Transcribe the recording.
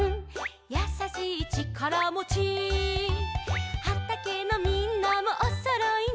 「やさしいちからもち」「はたけのみんなもおそろいね」